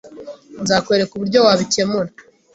Nzakwereka uburyo wabikemura.